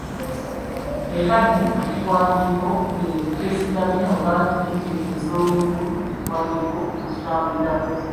Eempagi ekiwandiiko kwe kyesigamye oba giyite ensonga enkulu ekiwandiiko kwe kitambulira.